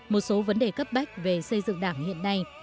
một số vấn đề cấp bách về xây dựng đảng hiện nay